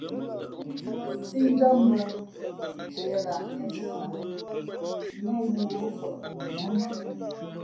Sīnjǎm mbᾱ ntieʼ lah nhīēsī nát, nά wū ǒ fα̌ʼ mǒhnshʉ̄ᾱ lά.